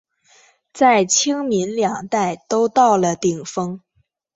在清民两代都到了顶峰。